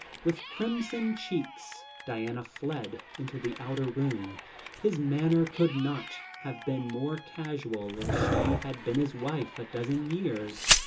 With crimson cheeks Diana fled into the outer room, His manner could not have been more casual if she had been his wife a dozen years.